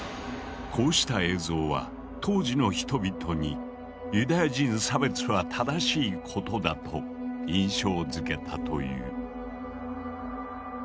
こうした映像は当時の人々にユダヤ人差別は正しいことだと印象づけたという。